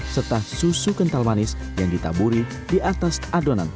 serta susu kental manis yang ditaburi di atas adonan